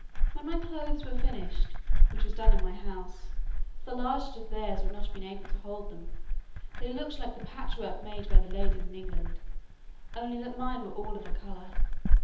When my clothes were finished, which was done in my house (for the largest of theirs would not have been able to hold them), they looked like the patch work made by the ladies in England, only that mine were all of a colour.